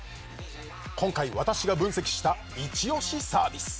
今回私が分析したイチオシサービス。